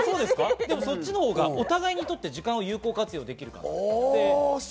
そっちのほうがお互いにとって時間を有効活用できるので。